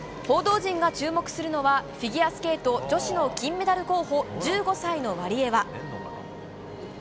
報道陣が注目するのは、フィギュアスケート女子の金メダル候補、１５歳のワリエワ。